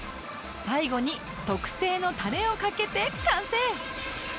最後に特製のタレをかけて完成！